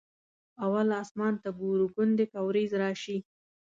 اول اسمان ته ګورو ګوندې که ورېځ راشي.